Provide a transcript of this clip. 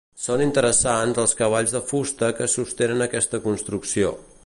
Són interessants els cavalls de fusta que sostenen aquesta construcció.